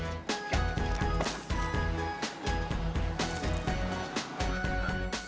ya enggak enggak